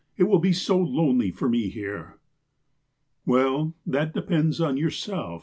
It will be so lonely for me here.' " 'Well, tluit depends on yourself.